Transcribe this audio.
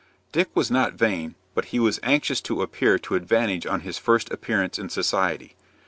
Dick was not vain, but he was anxious to appear to advantage on his first appearance in society.